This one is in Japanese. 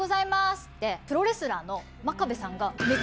プロレスラーの真壁さんが。